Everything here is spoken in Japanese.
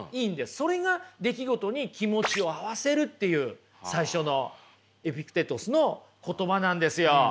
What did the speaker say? それが出来事に気持ちを合わせるっていう最初のエピクテトスの言葉なんですよ。